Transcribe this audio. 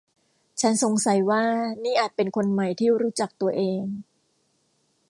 ฉันสงสัยว่านี่อาจเป็นคนใหม่ที่รู้จักตัวเอง